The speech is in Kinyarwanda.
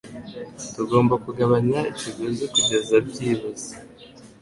Tugomba kugabanya ikiguzi kugeza byibuze.